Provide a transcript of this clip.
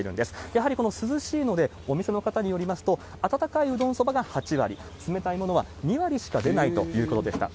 やはり涼しいので、お店の方によりますと、温かいうどん、そばが８割、冷たいものは２割しか出ないということでした。